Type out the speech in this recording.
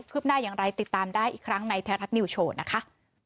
ืบหน้าอย่างไรติดตามได้อีกครั้งในแท้รัฐนิวโชว์นะคะ